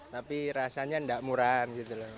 tapi rasanya tidak murahan